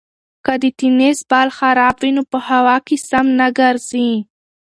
که د تېنس بال خراب وي نو په هوا کې سم نه ګرځي.